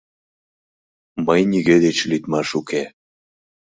Мый нигӧ деч лӱдмаш уке!